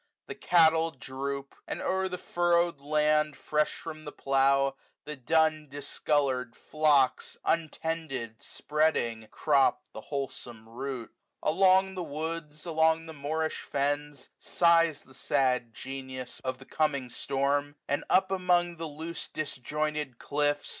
The cattle droop j and o'er the furrowed land Fresh from the plough^ the dun discoloarM floob^ Untended spreading, crop the wholesome root* 65 Along the woods, along the moorish fens^ Sighs the sad Gemus of the coming storm ) And up among the loose disjointed cllflfb.